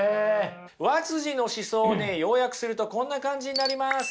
和の思想をね要約するとこんな感じになります。